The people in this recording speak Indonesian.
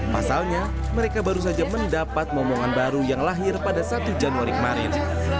pasalnya mereka baru saja mendapat momongan baru yang lahir pada satu januari kemarin